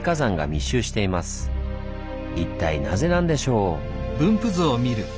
一体なぜなんでしょう？